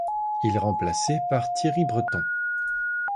Il est remplacé par Thierry Breton.